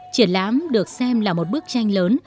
triển lãm được xem là một bức tranh lớn